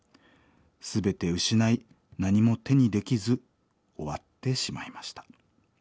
全て失い何も手にできず終わってしまいました。